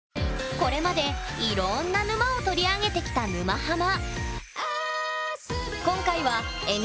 これまでいろんな沼を取り上げてきた「沼ハマ」。